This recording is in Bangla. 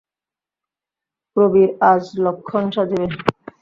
প্রবীর আজ লক্ষ্মণ সাজিবে।